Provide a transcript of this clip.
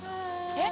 えっ？